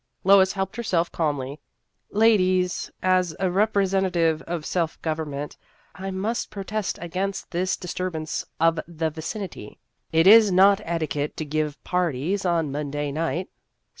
Lois helped herself calmly. " Ladies, as a representative of self government, I must protest against this disturbance of the vicinity. It is not etiquette to give parties on Monday night."